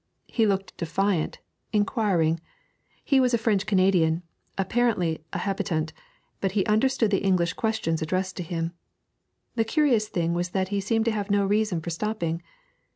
He looked defiant, inquiring. He was a French Canadian, apparently a habitant, but he understood the English questions addressed to him. The curious thing was that he seemed to have no reason for stopping.